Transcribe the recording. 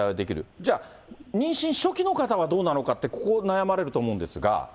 じゃあ妊娠初期の方はどうなのかって、ここ、悩まれると思うんですが。